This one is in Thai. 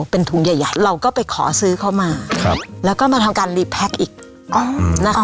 เป็นถุงใหญ่ใหญ่เราก็ไปขอซื้อเข้ามาครับแล้วก็มาทำการอีกอ๋อนะคะอ๋อ